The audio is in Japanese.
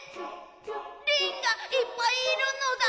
リンがいっぱいいるのだ？